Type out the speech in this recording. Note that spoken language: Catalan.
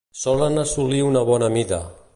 Solen assolir una bona mida.